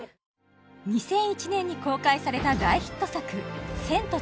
２００１年に公開された大ヒット作